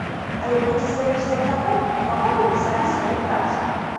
Але будзе залежыць ад таго, у каго вы пісалі сваю працу.